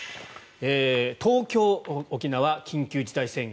東京、沖縄緊急事態宣言。